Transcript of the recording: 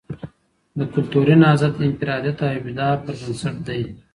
د کلتوری نهضت د انفرادیت او ابداع پر بنسټ دی.